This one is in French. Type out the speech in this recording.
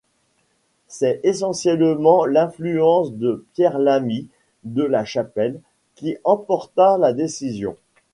C'est essentiellement l'influence de Pierre Lamy de la Chapelle, qui emporta la décision.